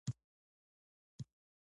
دوی له خپلو کارونو سره پوره مینه درلوده.